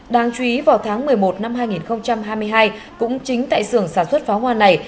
đáng chú ý vào tháng một mươi một năm hai nghìn hai mươi hai cũng chính tại sưởng sản xuất pháo hoa này